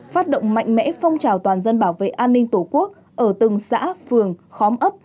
phát động mạnh mẽ phong trào toàn dân bảo vệ an ninh tổ quốc ở từng xã phường khóm ấp